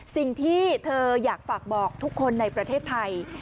สิ่งที่เธออยากฝากบอกทุกคนในประเทศไทย